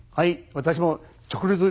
私も直立。